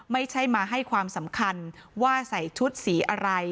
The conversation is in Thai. ไม่ใช่มาให้ความสำคัญว่าใส่ชุดสีอะไร